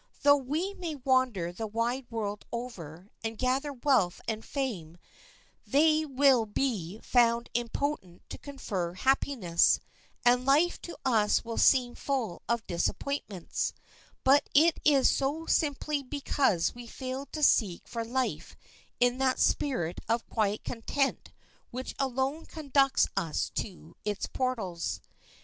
Though we may wander the wide world over, and gather wealth and fame, they will be found impotent to confer happiness, and life to us will seem full of disappointments; but it is so simply because we failed to seek for life in that spirit of quiet content which alone conducts us to its portals.